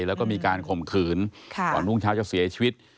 แล้วก็มีการข่มขืนก่อนรุ่งเช้าจะเสียชีวิต